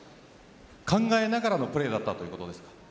考えながらのプレーだったということですか？